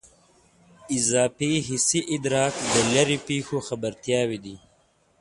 اضافي حسي ادراک د لیرې پېښو خبرتیاوې دي.